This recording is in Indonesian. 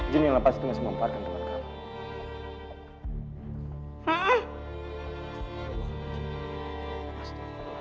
jinn yang lepas itu masih memparkan tempat kamu